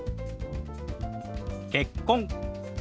「結婚」。